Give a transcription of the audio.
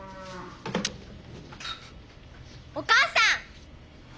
お母さん！